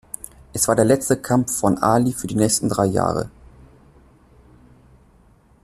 Es war der letzte Kampf von Ali für die nächsten drei Jahre.